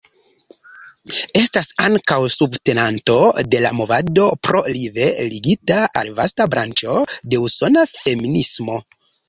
Estas ankaŭ subtenanto de la movado "Pro-Live", ligita al vasta branĉo de usona feminismo.